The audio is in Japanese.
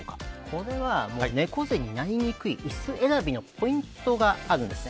これは猫背になりにくい椅子選びのポイントがあるんです。